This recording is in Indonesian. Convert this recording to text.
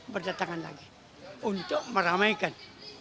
berdatangan lagi untuk meramaikan